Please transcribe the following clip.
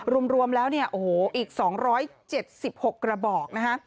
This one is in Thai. รวมแล้วอีก๒๗๖กระบอกนะ